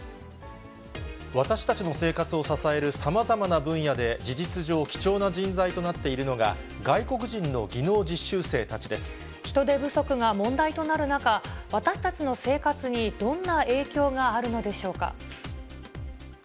私たちの生活を支えるさまざまな分野で事実上、貴重な人材となっているのが、人手不足が問題となる中、私たちの生活にどんな影響があるのでしょうか。